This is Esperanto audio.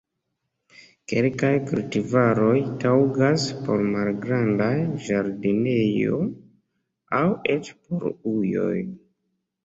Kelkaj kultivaroj taŭgas por malgrandaj ĝardenoj aŭ eĉ por ujoj.